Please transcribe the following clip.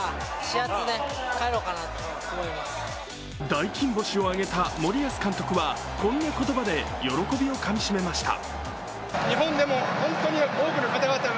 大金星を挙げた森保監督は、こんな言葉で喜びをかみしめました。